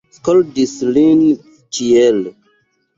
Skoldis lin ĉiel.